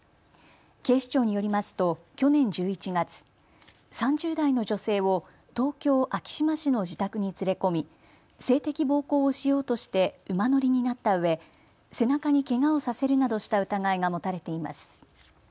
警視庁によりますと去年１１月、３０代の女性を東京昭島市の自宅に連れ込み性的暴行をしようとして馬乗りになったうえ背中にけがをさせるなどした疑いが持たれています。